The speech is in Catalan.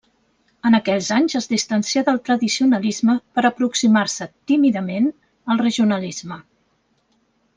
En aquells anys es distancià del tradicionalisme per a aproximar-se tímidament al regionalisme.